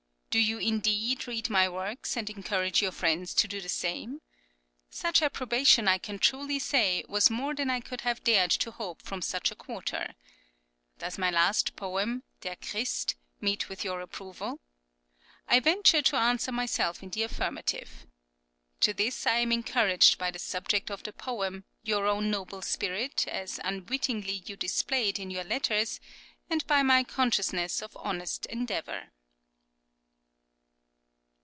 Do you, indeed, read my works and encourage your friends to do the same? Such approbation, I can truly say, was more than I could have dared to hope from such a quarter. Does my last poem, "Der Christ," meet with your approval? I venture to answer myself in the affirmative. To this I am encouraged by the subject of the poem, your own noble spirit, as unwittingly you display it in your letters, and by my consciousness of honest endeavour.